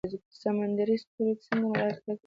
سمندري ستوری څنګه حرکت کوي؟